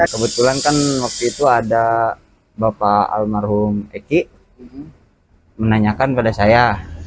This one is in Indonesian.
kebetulan kan waktu itu ada bapak almarhum eki menanyakan pada saya